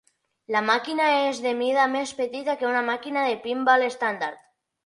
La màquina és de mida més petita que una màquina de pin-ball estàndard.